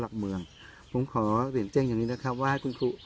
หลักเมืองผมขอเรียนแจ้งอย่างนี้นะครับว่าให้คุณครู